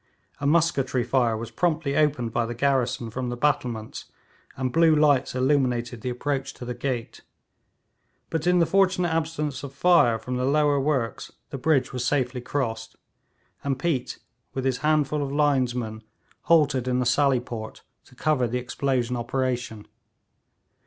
A musketry fire was promptly opened by the garrison from the battlements, and blue lights illuminated the approach to the gate, but in the fortunate absence of fire from the lower works the bridge was safely crossed, and Peat with his handful of linesmen halted in a sallyport to cover the explosion operation.